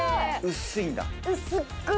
薄いんだ。